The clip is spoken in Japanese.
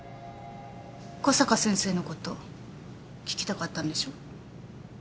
小坂先生のこと聞きたかったんでしょ？